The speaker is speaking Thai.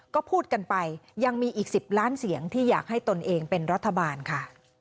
ก็พูดกันไปยังมีอีก๑๐ล้านเสียงที่อยากให้ตนเองเป็นรัฐบาลค่ะ